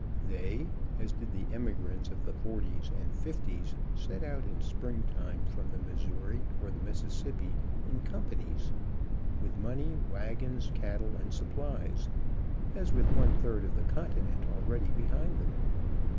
They, as did the emigrants of the '40s and '50s, set out in spring time from the Missouri or the Mississippi in companies, with money, wagons, cattle and supplies, and with one third of the continent already behind them.